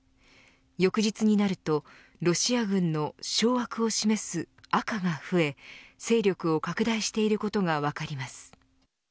翌日になると、ロシア軍の掌握を示す赤が増え勢力を拡大していることが分かります。